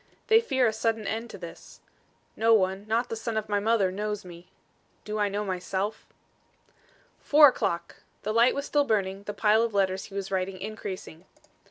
"They fear a sudden end to this. No one, not the son of my mother knows me. Do I know myself?" Four o'clock! The light was still burning, the pile of letters he was writing increasing.